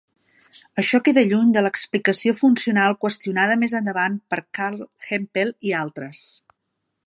Això queda lluny de l'"explicació funcional" qüestionada més endavant per Carl Hempel i altres.